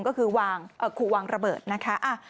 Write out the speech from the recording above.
ก็คือขู่วางระเบิดนะคะ